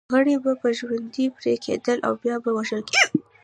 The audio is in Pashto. غړي به په ژوندوني پرې کېدل او بیا به وژل کېده.